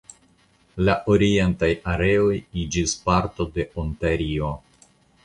La orientaj areoj iĝis parto de Ontario.